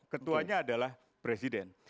ketuanya adalah presiden